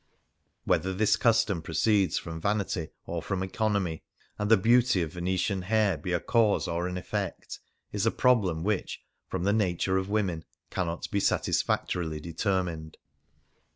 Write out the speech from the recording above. Whether this custom proceeds from vanity or from economy, and the beauty of Venetian hair be a cause or an effect, is a prob lem which, from the nature of women, cannot be satisfactorily determined.